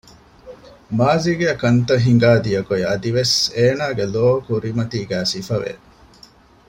މާޒީގައި ކަންތައް ހިނގާ ދިޔަ ގޮތް އަދިވެސް އޭނާގެ ލޯ ކުރިމަތީގައި ސިފަވެ